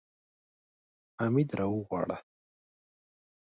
حميد راوغواړه.